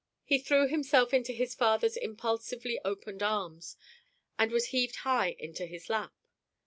He threw himself into his father's impulsively opened arms, and was heaved high into his lap.